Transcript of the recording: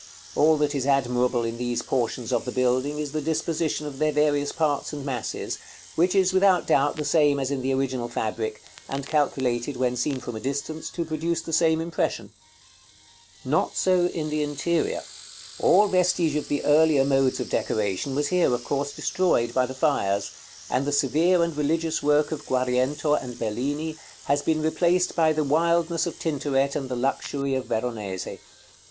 All that is admirable in these portions of the building is the disposition of their various parts and masses, which is without doubt the same as in the original fabric, and calculated, when seen from a distance, to produce the same impression. § CXXXIV. Not so in the interior. All vestige of the earlier modes of decoration was here, of course, destroyed by the fires; and the severe and religious work of Guariento and Bellini has been replaced by the wildness of Tintoret and the luxury of Veronese.